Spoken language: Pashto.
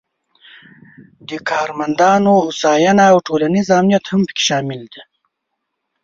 د کارمندانو هوساینه او ټولنیز امنیت هم پکې شامل دي.